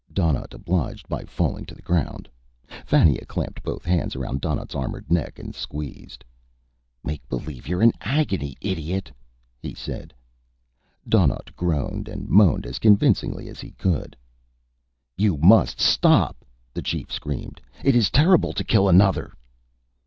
Donnaught obliged by falling to the ground. Fannia clamped both hands around Donnaught's armored neck, and squeezed. "Make believe you're in agony, idiot," he said. Donnaught groaned and moaned as convincingly as he could. "You must stop!" the chief screamed. "It is terrible to kill another!"